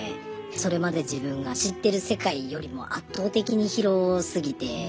それまで自分が知ってる世界よりも圧倒的に広すぎて。